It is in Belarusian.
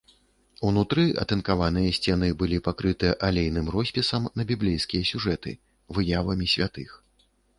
Унутры атынкаваныя сцены былі пакрыты алейным роспісам на біблейскія сюжэты, выявамі святых.